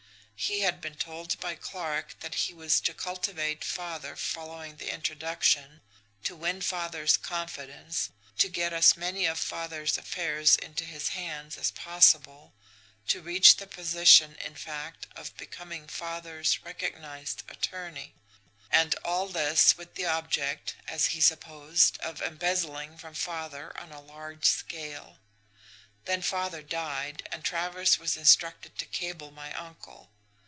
He had been told by Clarke that he was to cultivate father following the introduction, to win father's confidence, to get as many of father's affairs into his hands as possible, to reach the position, in fact, of becoming father's recognised attorney and all this with the object, as he supposed of embezzling from father on a large scale. Then father died, and Travers was instructed to cable my uncle.